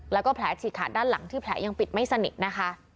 แล้วก็แผลฉีกขาดด้านหลังที่แผลยังปิดไม่สนิทนะคะ